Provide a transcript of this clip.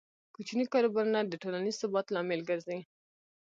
کوچني کاروبارونه د ټولنیز ثبات لامل ګرځي.